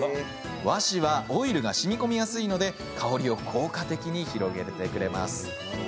和紙はオイルがしみこみやすいので香りを効果的に広げてくれます。